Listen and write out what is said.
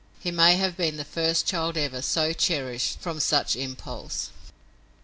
He may have been the first child ever so cherished from such impulse.